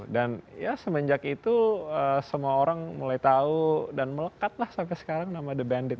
dan semenjak itu semua orang mulai tahu dan melekat lah sampai sekarang nama the bandits